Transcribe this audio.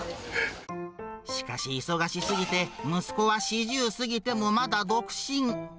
しかし、忙しすぎて息子は４０過ぎてもまだ独身。